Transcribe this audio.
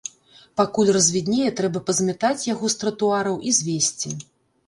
Пакуль развіднее, трэба пазмятаць яго з тратуараў і звезці.